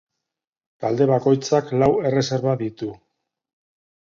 Talde bakoitzak lau erreserba ditu.